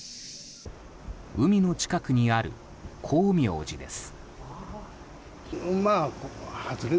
海の近くにある光明寺です。